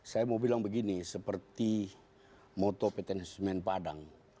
saya mau bilang begini seperti moto pt nusmen padang